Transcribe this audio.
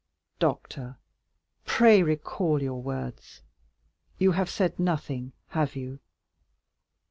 Doctor, pray recall your words; you have said nothing, have you?"